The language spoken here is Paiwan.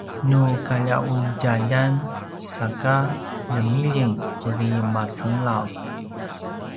nu kalja’udjaljan saka lemiljing uri macenglav